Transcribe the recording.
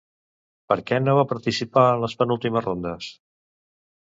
Per què no va participar en les penúltimes rondes?